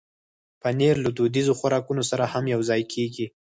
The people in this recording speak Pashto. پنېر له دودیزو خوراکونو سره هم یوځای کېږي.